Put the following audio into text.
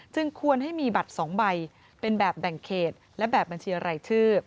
ควรให้มีบัตร๒ใบเป็นแบบแบ่งเขตและแบบบัญชีรายชื่อ